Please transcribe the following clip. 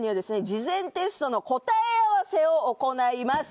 事前テストの答え合わせを行います。